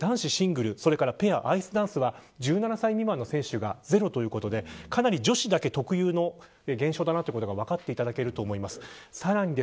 一方で、男子シングルそれからペア、アイスダンスは１７歳未満の選手がゼロということでかなり女子だけ特有の現象だということが分かっていただけると思います。